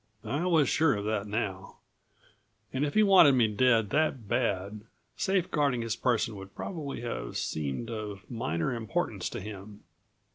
I was sure of that now. And if he wanted me dead that bad, safe guarding his person would probably have seemed of minor importance to him.